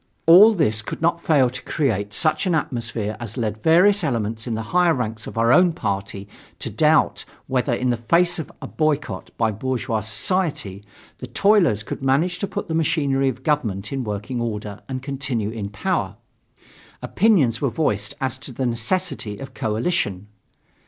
All this could not fail to create such an atmosphere as led various elements in the higher ranks of our own party to doubt whether, in the face of a boycott by bourgeois society, the toilers could manage to put the machinery of government in working order and continue in power. Opinions were voiced as to the necessity of coalition.